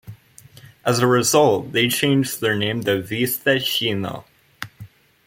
As a result, they changed their name to Vista Chino.